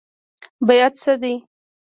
بیعت څه دی؟